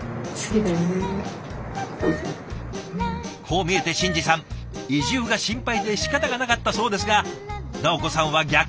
こう見えて新志さん移住が心配でしかたがなかったそうですが奈央子さんは逆。